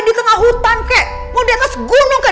di tengah hutan kek mau dia ke segunung kek